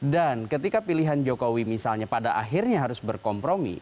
dan ketika pilihan jokowi misalnya pada akhirnya harus berkompromi